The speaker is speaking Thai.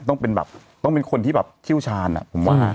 ต้องเป็นแบบต้องเป็นคนที่แบบเชี่ยวชาญผมว่า